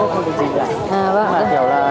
không có gì đặt